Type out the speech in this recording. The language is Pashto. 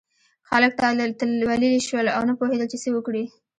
خلک تلولي شول او نه پوهېدل چې څه وکړي.